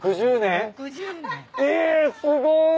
えすごい！